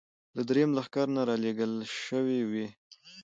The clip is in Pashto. له درېیم لښکر نه را لېږل شوې وې.